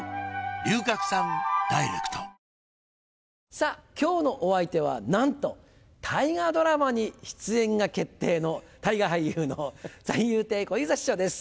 さぁ今日のお相手はなんと大河ドラマに出演が決定の大河俳優の三遊亭小遊三師匠です。